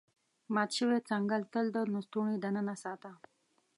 مات شوی څنګل تل د لستوڼي دننه ساته.